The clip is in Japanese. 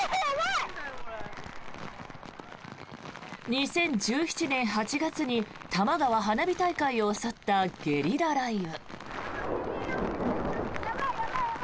２０１７年８月にたまがわ花火大会を襲ったゲリラ雷雨。